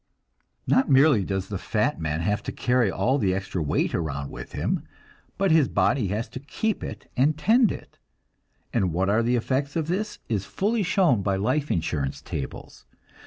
Not merely does the fat man have to carry all the extra weight around with him, but his body has to keep it and tend it; and what are the effects of this is fully shown by life insurance tables.